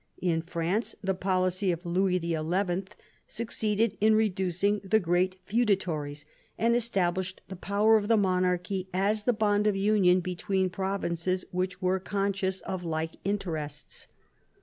In France, the policy of Louis XI succeeded in reducing the great feuda tories, and established the power of the monarchy as the bond of union between provinces which were conscious of like interests.